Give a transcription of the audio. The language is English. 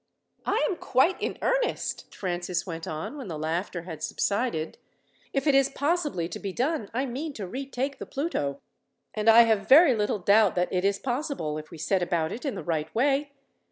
"I am quite in earnest," Francis went on, when the laughter had subsided. "If it is possibly to be done, I mean to retake the Pluto, and I have very little doubt that it is possible, if we set about it in the right way.